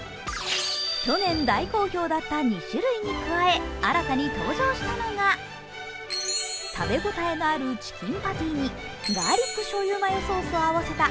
去年大好評だった２種類に加え新たに登場したのが食べ応えのあるチキンパティにガーリック醤油マヨソースを合わせた